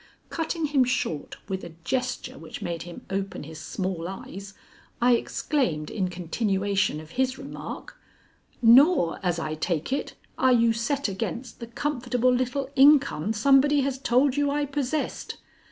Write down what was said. Cutting him short with a gesture which made him open his small eyes, I exclaimed in continuation of his remark: "Nor, as I take it, are you set against the comfortable little income somebody has told you I possessed.